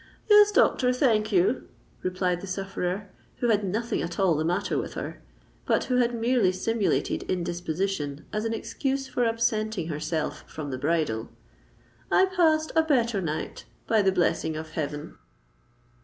"Yes, doctor—thank you," replied the sufferer, who had nothing at all the matter with her, but who had merely simulated indisposition as an excuse for absenting herself from the bridal: "I passed a better night—by the blessing of heaven!"